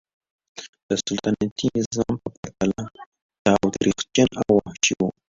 د سلطنتي نظام په پرتله تاوتریخجن او وحشي و.